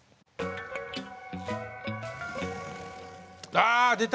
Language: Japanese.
あ出た！